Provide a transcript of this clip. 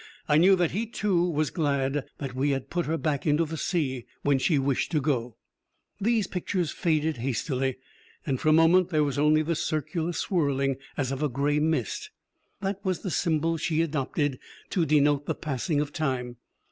I knew that he, too, was glad that we bad put her back into the sea when she wished to go. These pictures faded hastily, and for a moment there was only the circular swirling as of gray mist; that was the symbol she adopted to denote the passing of time.